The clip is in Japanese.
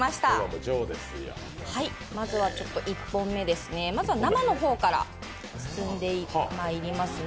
まずは１本目ですね、まずは生の方からさせていただきますね。